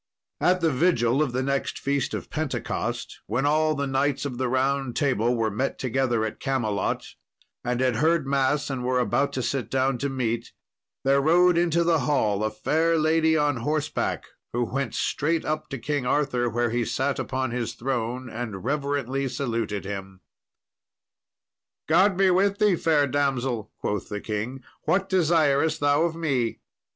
] At the vigil of the next Feast of Pentecost, when all the Knights of the Round Table were met together at Camelot, and had heard mass, and were about to sit down to meat, there rode into the hall a fair lady on horseback, who went straight up to King Arthur where he sat upon his throne, and reverently saluted him. "God be with thee, fair damsel," quoth the king; "what desirest thou of me?"